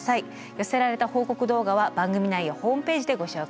寄せられた報告動画は番組内やホームページでご紹介しています。